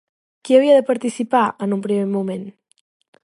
Qui hi havia de participar, en un primer moment?